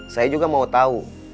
saya juga mau tahu